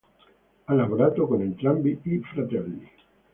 Ha lavorato con entrambi i fratelli.